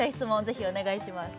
ぜひお願いします